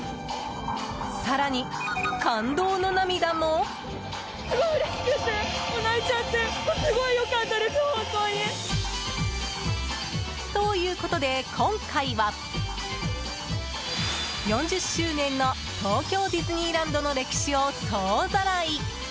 更に、感動の涙も？ということで今回は４０周年の東京ディズニーランドの歴史を総ざらい！